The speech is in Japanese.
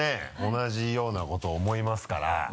同じようなことを思いますから。